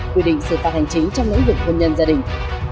quy định xử phạt hành chính trong lĩnh vực hôn nhân gia đình